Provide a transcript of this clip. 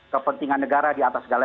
kepentingan negara di atas segala